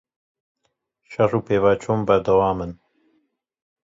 Şer û pevçûn berdewam in.